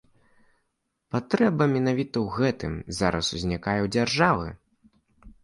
Патрэба менавіта ў гэтым зараз узнікае ў дзяржавы?